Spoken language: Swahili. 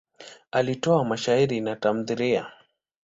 Alitoa mashairi na tamthiliya.